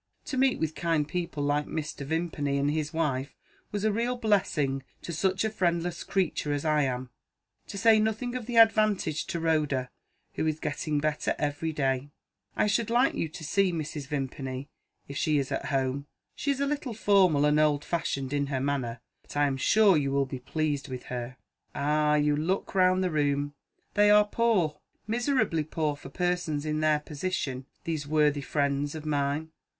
To meet with kind people, like Mr. Vimpany and his wife, was a real blessing to such a friendless creature as I am to say nothing of the advantage to Rhoda, who is getting better every day. I should like you to see Mrs. Vimpany, if she is at home. She is a little formal and old fashioned in her manner but I am sure you will be pleased with her. Ah! you look round the room! They are poor, miserably poor for persons in their position, these worthy friends of mine.